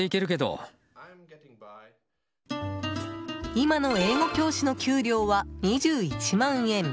今の英語教師の給料は２１万円。